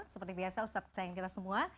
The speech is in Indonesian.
seperti biasa ustadz sayang kita semua